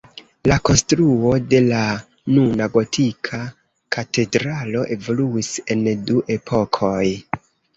La konstruo de la nuna gotika katedralo evoluis en du epokoj.